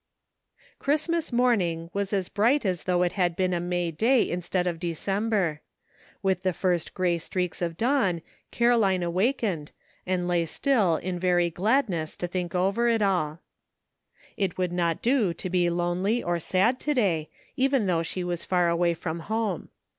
Christmas morning was as bright as though it had been a May day instead of December. With the first gray streaks of dawn Caroline 298 GREAT QUESTIONS SETTLED. awakened, and lay still in very gladness to think over it all. It would not do to be lonely or sad to day, even though she was far away from home.